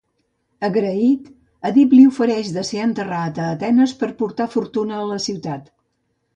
Agraït, Èdip li ofereix de ser enterrat a Atenes per portar fortuna a la ciutat.